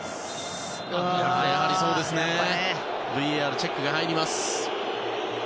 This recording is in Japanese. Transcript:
ＶＡＲのチェックが入ります。